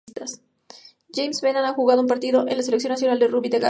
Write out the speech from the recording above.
James Bevan ha jugado un partido con la selección nacional de rugby de Gales.